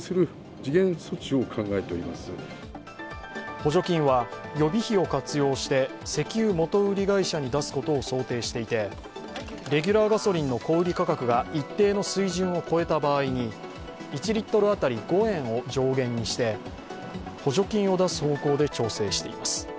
補助金は予備費を活用して石油元売り会社に出すことを想定していて、レギュラーガソリンの小売価格が一定の水準を超えた場合に１リットル当たり５円を上限にして補助金を出す方向で調整しています。